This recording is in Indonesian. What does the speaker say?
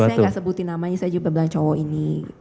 saya nggak sebutin namanya saya juga bilang cowok ini